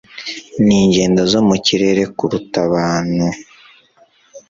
ningendo zo mu kirere kuruta abantu